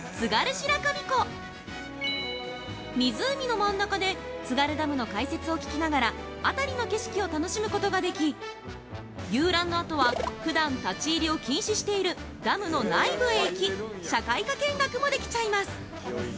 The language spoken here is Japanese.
白神湖湖の真ん中で津軽ダムの解説を聞きながら辺りの景色を楽しむことができ遊覧のあとはふだん立ち入りを禁止しているダムの内部へ行き社会科見学もできちゃいます。